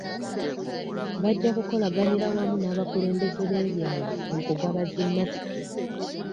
Bajja kukolaganira wamu n'abakulembeze b'ebyalo mu kugaba zi masiki.